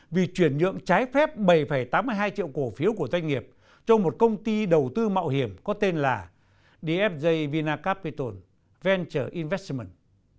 vì chuyển nhượng trái phép bảy tám mươi hai triệu cổ phiếu của doanh nghiệp trong một công ty đầu tư mạo hiểm có tên là dfj vinacapital venture investment